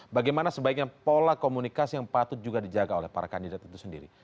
bagaimana sebaiknya pola komunikasi yang patut juga dijaga oleh para kandidat itu sendiri